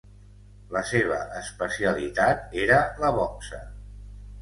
La seva especialitat era la boxa.